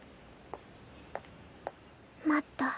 待った？